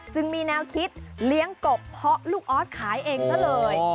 จึงมีแนวคิดเลี้ยงกบเพราะลูกออสขายเองซะเลย